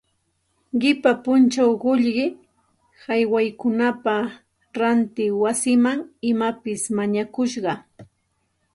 Qipa punchaw qullqi haywaykunapaq ranti wasimanta imapas mañakusqa